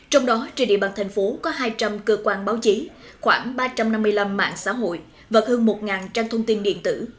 trong đó trên địa bàn thành phố có hai trăm linh cơ quan báo chí khoảng ba trăm năm mươi năm mạng xã hội và hơn một trang thông tin điện tử